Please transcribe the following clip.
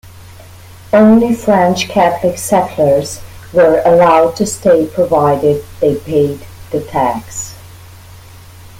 Only French catholic settlers were allowed to stay provided they paid the tax.